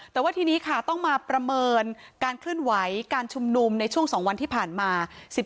แต่ว่าทีนี้ค่ะต้องมาประเมินการเคลื่อนไหวการชุมนุมในช่วง๒วันที่ผ่านมา